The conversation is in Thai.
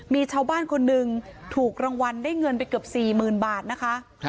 มีชาวบ้านคนหนึ่งถูกรางวัลได้เงินไปเกือบ๔๐๐๐บาทนะคะ